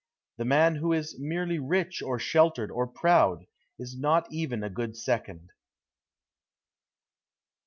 The man who is merely rich or sheltered or proud is not even a good second.